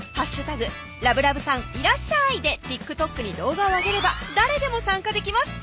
「＃ラブラブさんいらっしゃい！」でＴｉｋＴｏｋに動画をあげれば誰でも参加できます